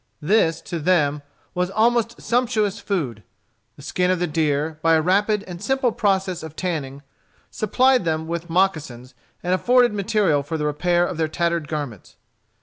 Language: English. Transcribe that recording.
This, to them, was almost sumptuous food. The skin of the deer, by a rapid and simple process of tanning, supplied them with moccasons, and afforded material for the repair of their tattered garments.